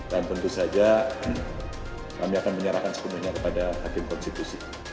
dan tentu saja kami akan menyerahkan sepenuhnya kepada hakim konstitusi